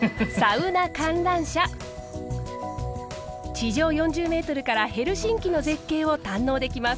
地上４０ｍからヘルシンキの絶景を堪能できます。